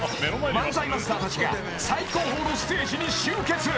［漫才マスターたちが最高峰のステージに集結］